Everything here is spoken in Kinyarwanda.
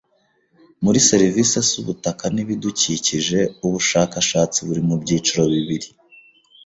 Muri serivisi z ubutaka n ibidukikije ubushakashatsi Buri mu byiciro bibiri